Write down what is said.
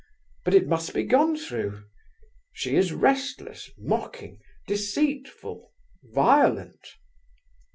But it must be gone through. She is restless, mocking, deceitful, violent...."